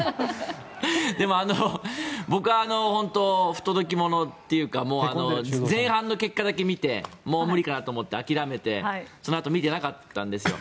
でも、僕は本当不届き者というか前半の結果だけ見てもう無理かなと思って諦めてそのあと見てなかったんですよ。